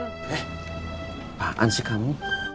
eh apaan sih kamu